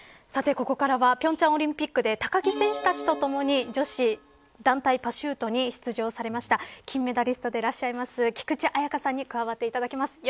ここからは、平昌オリンピックで高木選手たちとともに女子団体パシュートに出場されました金メダリストでいらっしゃいます菊池彩花さんに加わっていただきます。